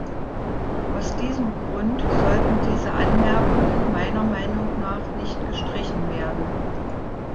Aus diesem Grund sollten diese Anmerkungen meiner Meinung nach nicht gestrichen werden.